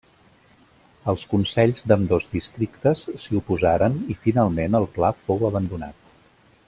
Els consells d'ambdós districtes s'hi oposaren i finalment el pla fou abandonat.